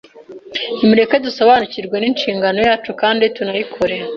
Nimureke dusobanukirwe n’inshingano yacu, kandi tunayikore.